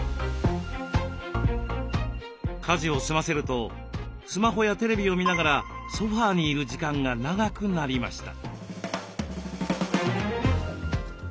家事を済ませるとスマホやテレビを見ながらソファーにいる時間が長くなりました。